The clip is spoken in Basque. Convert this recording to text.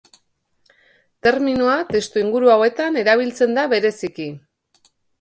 Terminoa testuinguru hauetan erabiltzen da bereziki.